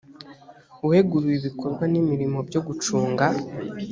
uweguriwe ibikorwa n imirimo byo gucunga